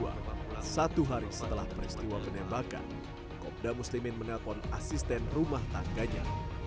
selasa sembilan belas juli dua ribu dua puluh dua satu hari setelah peristiwa penembakan kopda muslimin menelpon asisten rumah tangganya